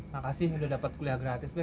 makasih udah dapet kuliah gratis de